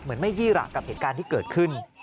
เหมือนไม่ยี่หระกับเหตุการณ์ที่เกิดขึ้น